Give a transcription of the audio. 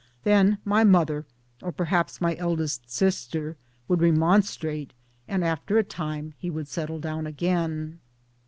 Then my mother or perhaps my eldest sister would remonstrate, and MY PARENTS 41 after a time he would settle down again.